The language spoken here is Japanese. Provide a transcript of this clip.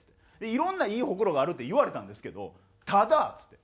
「いろんないいホクロがある」って言われたんですけど「ただ」っつって。